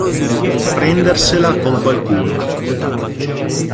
Prendersela con qualcuno.